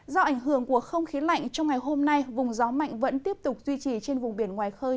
do ảnh hưởng của không khí lạnh trong ngày hôm nay vùng gió mạnh vẫn tiếp tục duy trì trên vùng biển ngoài khơi